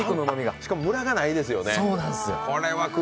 しかもムラがないですよね。